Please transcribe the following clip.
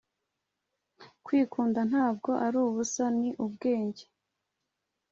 “kwikunda ntabwo ari ubusa. ni ubwenge. ”